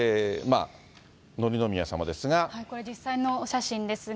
これ、実際のお写真ですが、